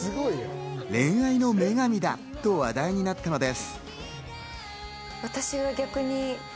恋愛の女神だと話題になったのです。